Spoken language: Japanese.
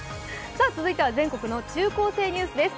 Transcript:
続いては全国の中高生ニュースです。